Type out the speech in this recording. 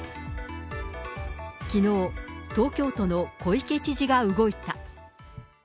きのう、東京都の小池知事が動いた。